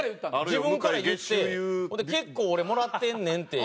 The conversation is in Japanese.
自分から言ってほんで「結構俺もらってんねん」って。